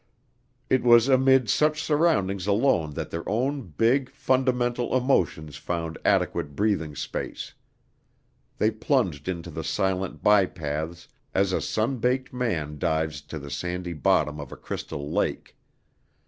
It was amid such surroundings alone that their own big, fundamental emotions found adequate breathing space. They plunged into the silent by paths as a sun baked man dives to the sandy bottom of a crystal lake.